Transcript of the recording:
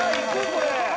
これ。